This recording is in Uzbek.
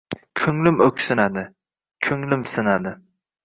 Ko’nglim o’ksinadi, ko’nglim sinadi